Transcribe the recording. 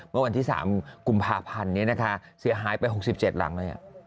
เมื่อวันที่๓กุมภาพันธ์นี้นะคะเสียหายไป๖๗หลังเลย